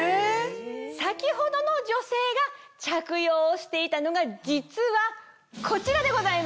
先ほどの女性が着用していたのが実はこちらでございます。